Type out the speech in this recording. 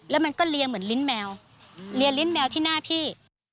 แล้วมันก็เรียงเหมือนลิ้นแมวเรียงลิ้นแมวที่หน้าพี่